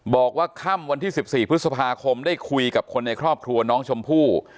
บอกว่าค่ำวันที่๑๔พฤษภาคมได้คุยกับคนในครอบครัวน้องชมพู่